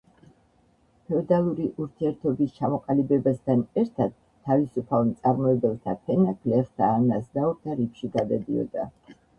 ფეოდალური ურთიერთობის ჩამოყალიბებასთან ერთად თავისუფალ მწარმოებელთა ფენა გლეხთა ან აზნაურთა რიგში გადადიოდა.